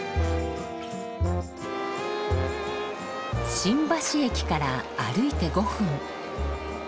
新橋駅から歩いて５分。